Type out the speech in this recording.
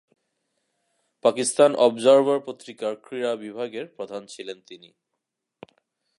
Pakistan observer পত্রিকার ক্রীড়া বিভাগের প্রধান ছিলেন তিনি।